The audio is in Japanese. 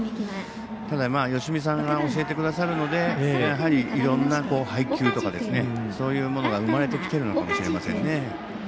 ただ、吉見さんが教えてくださるのでやはり、いろんな配球とかそういうものが生まれてきているのかもしれません。